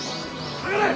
下がれ！